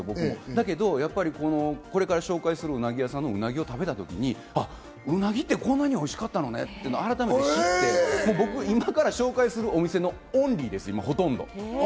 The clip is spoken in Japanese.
だけど、これから紹介するうなぎ屋さんのうなぎを食べたときに、あ、うなぎってこんなにおいしかったのねって改めて知って、僕今から紹介するお店オンリーです、ほとんど。